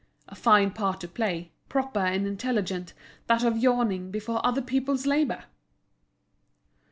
A fine part to play, proper and intelligent, that of yawning before other people's labour!